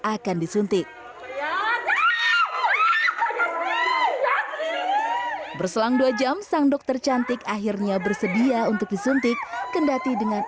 akan disuntik berselang dua jam sang dokter cantik akhirnya bersedia untuk disuntik kendati dengan